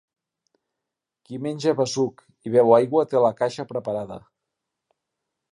Qui menja besuc i beu aigua té la caixa preparada.